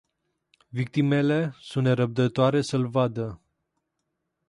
Victimele sunt nerăbdătoare să îl vadă.